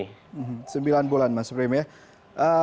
sembilan bulan mas prim ya